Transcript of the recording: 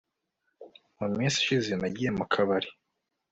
muminsi ishize nagiye mukabari